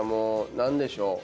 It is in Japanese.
何でしょう？